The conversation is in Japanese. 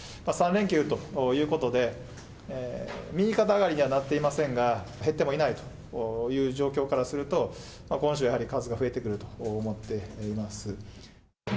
３連休ということで、右肩上がりにはなっていませんが、減ってもいないという状況からすると、今週はやはり数が増えてくると思っています。